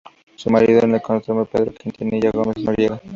Su marido es el economista Pedro Quintanilla Gómez-Noriega.